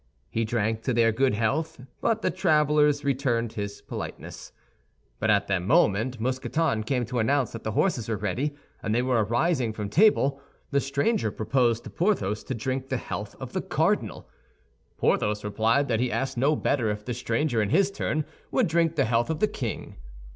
He drank to their good health, and the travelers returned his politeness. But at the moment Mousqueton came to announce that the horses were ready, and they were arising from table, the stranger proposed to Porthos to drink the health of the cardinal. Porthos replied that he asked no better if the stranger, in his turn, would drink the health of the king.